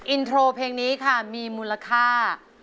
อินโทรเพลงนี้ค่ะมีมูลค่า